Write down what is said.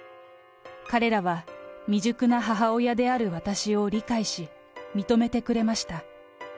彼らは未熟な母親である私を理解し、認めてくれました。